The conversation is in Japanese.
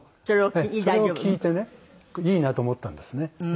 それを聴いてねいいなと思ったんですね。